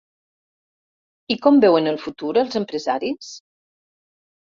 I com veuen el futur els empresaris?